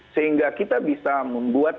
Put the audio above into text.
sehingga kita bisa membuat